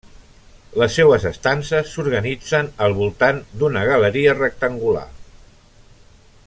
Les seues estances s'organitzen al voltant d'una galeria rectangular.